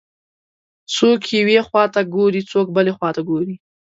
څوک یوې خواته ګوري، څوک بلې خواته ګوري.